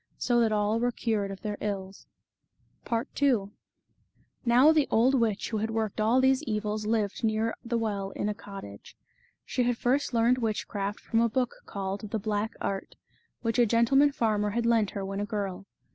So that all were cured of their ills. 34 TJie Fairy of the Dell. II. Now the old witch who had worked all these evils lived near the well in a cottage. She had first learned witchcraft from a book called The Black Art, which a gentleman farmer had lent her when a girl.